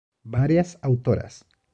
Varias autoras.